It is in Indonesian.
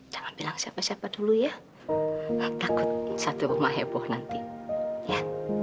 jangan bilang siapa siapa dulu ya takut satu rumah heboh nanti ya